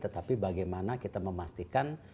tetapi bagaimana kita memastikan